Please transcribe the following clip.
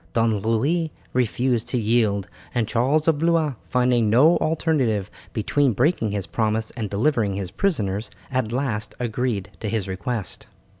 Don Louis refused to yield, and Charles of Blois, finding no alternative between breaking his promise and delivering his prisoners, at last agreed to his request.